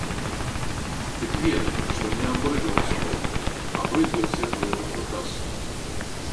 Дык ведай, што мне абрыдла ўсё гэта, абрыдлі ўсе твае выкрутасы!